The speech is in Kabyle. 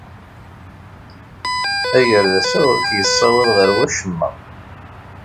Agerdas-a ur k-yessawaḍ ɣer wacemma.